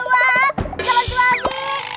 jangan jual internet